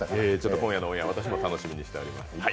今夜のオンエア、私も楽しみにしております。